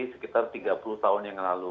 sekitar tiga puluh tahun yang lalu